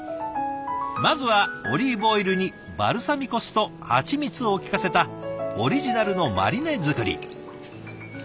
まずはオリーブオイルにバルサミコ酢とハチミツをきかせたオリジナルのマリネ作り。